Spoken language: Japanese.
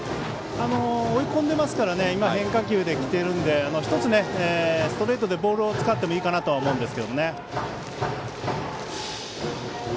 追い込んでいますから今、変化球できているので１つ、ストレートでボールを使ってもいいかなとは思います。